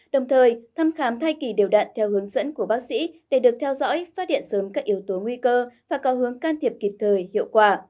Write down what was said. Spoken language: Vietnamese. đồng thời thăm khám thai kỳ đều đạn theo hướng dẫn của bác sĩ để được theo dõi phát hiện sớm các yếu tố nguy cơ và có hướng can thiệp kịp thời hiệu quả